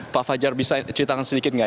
pak fajar bisa ceritakan sedikit nggak